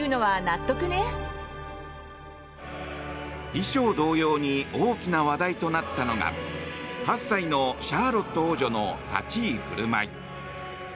衣装同様に大きな話題となったのが８歳のシャーロット王女の立ち居振る舞い。